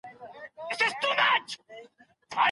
ولي قاضي د تفريق حکم صادروي؟